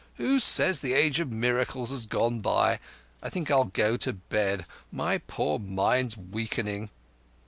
Who says the age of miracles is gone by? I think I'll go to bed. My poor mind's weakening."